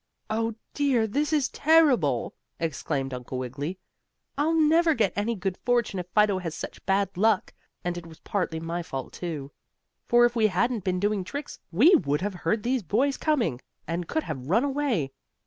"Oh, dear! This is terrible!" exclaimed Uncle Wiggily. "I'll never get any good fortune if Fido has such bad luck. And it was partly my fault, too, for if we hadn't been doing tricks, we would have heard these boys coming, and could have run away.